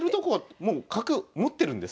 もう角持ってるんですよ。